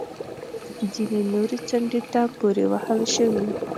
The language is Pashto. ځینې نورې څنډې ته پورې وهل شوې